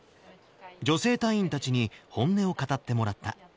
女性隊員たちに本音を語ってもらった。